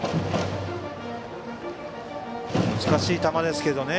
難しい球ですけどね。